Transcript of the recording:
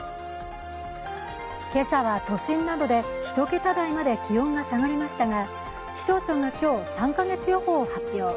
今朝は都心などで１桁台まで気温が下がりましたが気象庁が今日、３か月予報を発表。